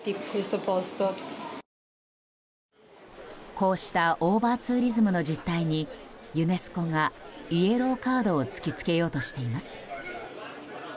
こうしたオーバーツーリズムの実態にユネスコがイエローカードを突きつけようとしています。